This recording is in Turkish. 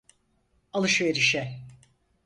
Alışverişe.